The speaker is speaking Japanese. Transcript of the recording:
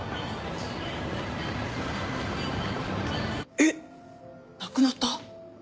えっ亡くなった？